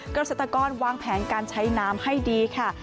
เกษตรกรวางแผนการใช้น้ำให้ดีค่ะ